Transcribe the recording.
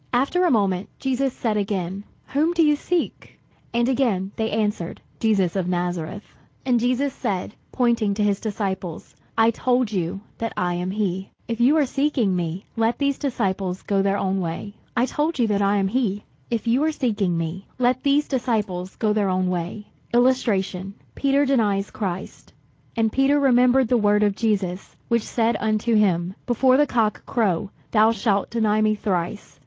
After a moment, Jesus said again, "Whom do you seek?" And again they answered, "Jesus of Nazareth." And Jesus said, pointing to his disciples, "I told you that I am he. If you are seeking me, let these disciples go their own way." [Illustration: PETER DENIES CHRIST "And Peter remembered the word of Jesus, which said unto him, 'Before the cock crow, thou shalt deny me thrice.'"